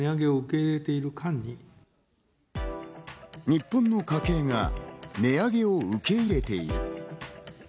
日本の家計が値上げを受け入れている。